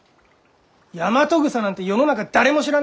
ヤマトグサなんて世の中誰も知らねえんだよ！